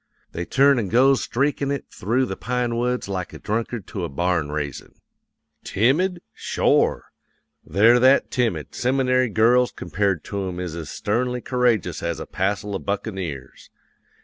They turns an' goes streakin' it through the pine woods like a drunkard to a barn raisin'. "Timid? Shore! They're that timid, seminary girls compared to 'em is as sternly courageous as a passel of buccaneers.